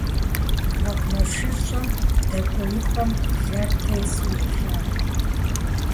МэкъумэшыщӀэм дэкӀуеипӀэм блэр тесу елъагъу.